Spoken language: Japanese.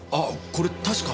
これ確か。